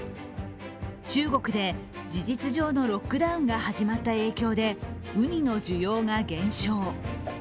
中国で事実上のロックダウンが始まった影響でウニの需要が減少。